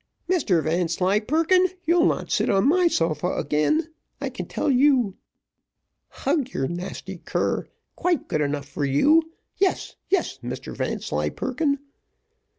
Mr Vanslyperken, you'll not sit on my sofa again, I can tell you; hug your nasty cur quite good enough for you. Yes, yes, Mr Vanslyperken."